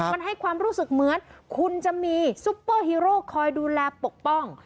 มันให้ความรู้สึกเหมือนคุณจะมีซุปเปอร์ฮีโร่คอยดูแลปกป้อง